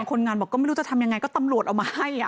คนงานบอกก็ไม่รู้จะทำยังไงก็ตำรวจเอามาให้